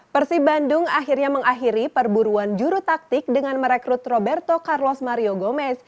persib bandung akhirnya mengakhiri perburuan juru taktik dengan merekrut roberto carlos mario gomez